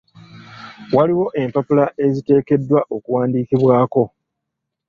Waliwo empapula eziteekeddwa okuwandiikibwako.